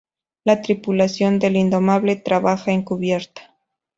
La tripulación del "Indomable" trabaja en cubierta.